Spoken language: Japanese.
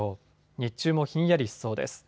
日中もひんやりしそうです。